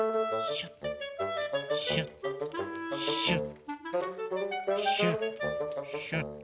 シュッシュッシュッシュッ。